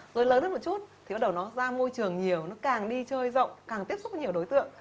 rồi lớn hơn một chút thì bắt đầu nó ra môi trường nhiều nó càng đi chơi rộng càng tiếp xúc với nhiều đối tượng